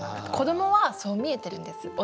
子どもはそう見えてるんです。